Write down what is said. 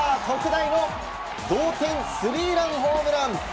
特大の同点スリーランホームラン。